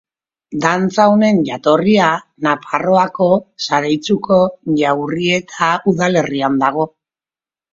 Dantza honen jatorria Nafarroako Zaraitzuko Jaurrieta udalerrian dago.